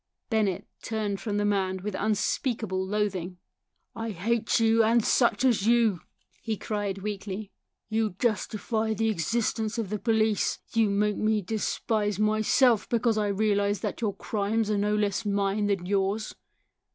Bennett turned from the man with unspeak able loathing. "I hate you and such as you!" he cried 196 THE SOUL OF A POLICEMAN weakly. "You justify the existence of the police. You make me despise myself because I realise that your crimes are no less mine than yours.